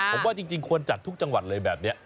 ผมว่าจริงควรจัดทุกจังหวัดเลยแบบนี้